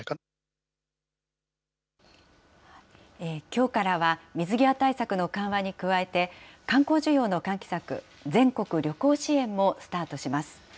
きょうからは、水際対策の緩和に加えて、観光需要の喚起策、全国旅行支援もスタートします。